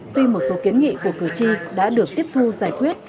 tuy một số kiến nghị của cử tri đã được tiếp thu giải quyết